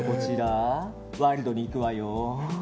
ワイルドにいくわよ。